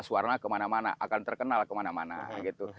suara kemana mana akan terkenal kemana mana gitu